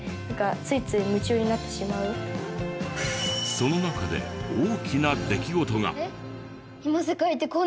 その中で大きな出来事が！